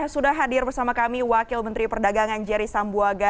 sudah hadir bersama kami wakil menteri perdagangan jerry sambuaga